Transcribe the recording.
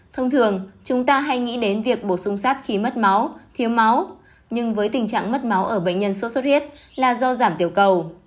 thông thường chúng ta hay nghĩ đến việc bổ sung sắt khi mất máu thiếu máu nhưng với tình trạng mất máu ở bệnh nhân sốt xuất huyết là do giảm tiểu cầu